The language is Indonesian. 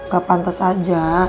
gak pantas aja